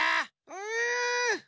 うん。